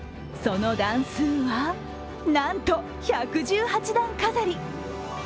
その段数は、なんと１１８段飾り。